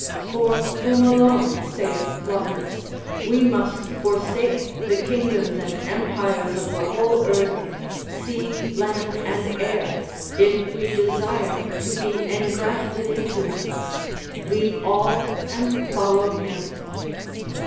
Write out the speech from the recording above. For whom alone, saith Plotinus, we must forsake the kingdoms and empires of the whole earth, sea, land, and air, if we desire to be engrafted into him, leave all and follow him.